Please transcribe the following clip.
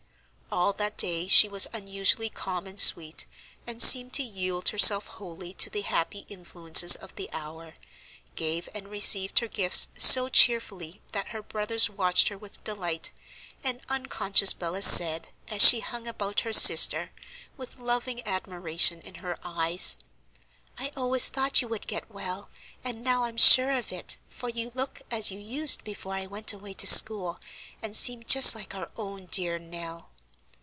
All that day she was unusually calm and sweet, and seemed to yield herself wholly to the happy influences of the hour, gave and received her gifts so cheerfully that her brothers watched her with delight; and unconscious Bella said, as she hung about her sister, with loving admiration in her eyes: "I always thought you would get well, and now I'm sure of it, for you look as you used before I went away to school, and seem just like our own dear Nell."